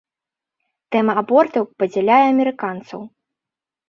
Тэма абортаў падзяляе амерыканцаў.